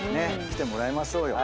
来てもらいましょうよ。